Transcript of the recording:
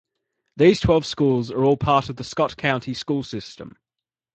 These twelve schools are all part of the Scott County School system.